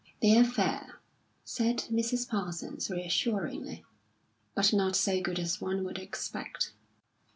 "They're fair," said Mrs. Parsons, reassuringly; "but not so good as one would expect."